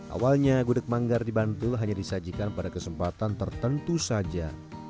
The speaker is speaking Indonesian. awalnya gudeg manggar di bantul hanya disajikan pada kesempatan tertentu saja